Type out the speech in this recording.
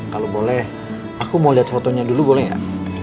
kalau boleh aku mau lihat fotonya dulu boleh gak